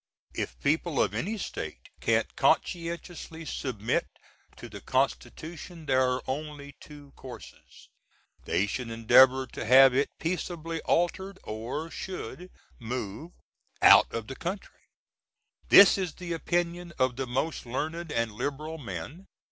If people of any State can't conscientiously submit to the Constitution there are only 2 courses: they should endeavor to have it peaceably altered, or should move out of the Country. This is the opinion of the most learned and liberal men.